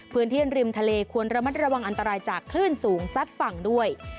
พื้นที่ริมทะเลควรระมัดระวังอันตรายจากคลื่นสูงซัดฝั่งด้วย